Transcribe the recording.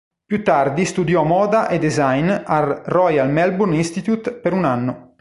Più tardi studiò moda e design al Royal Melbourne Institute per un anno.